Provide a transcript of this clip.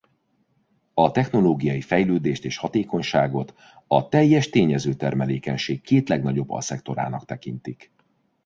A technológiai fejlődést és hatékonyságot a teljes tényezőtermelékenység két legnagyobb alszektorának tekintik.